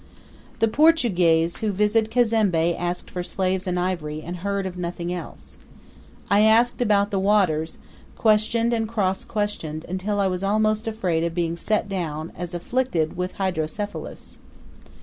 The Portuguese who visited Cazembe asked for slaves and ivory, and heard of nothing else. I asked about the waters, questioned and cross questioned, until I was almost afraid of being set down as afflicted with hydrocephalus.